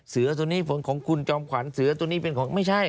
เสือตัวนี้ผลของคุณจอมขวัญเสือตัวนี้เป็นของไม่ใช่